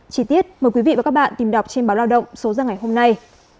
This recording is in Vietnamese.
chí tiết mời quý vị và các bạn tìm đọc trên báo lao động số ra ngày hôm nay